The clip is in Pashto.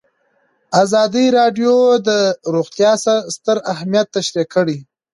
ازادي راډیو د روغتیا ستر اهميت تشریح کړی.